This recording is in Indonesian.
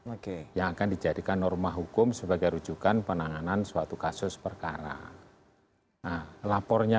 oke yang akan dijadikan norma hukum sebagai rujukan penanganan suatu kasus perkara lapornya